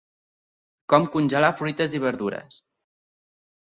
Com congelar fruites i verdures.